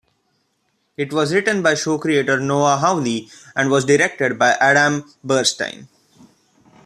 It was written by show creator Noah Hawley and was directed by Adam Bernstein.